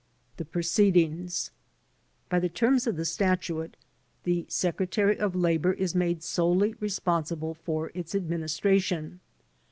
The Proceedings By the terms of the statute the Secretary of Labor is made solely responsible for its administration.